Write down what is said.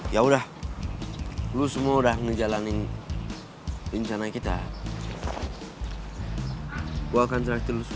yaudah lo semua udah ngejalanin rencana kita gue akan serahin lo semua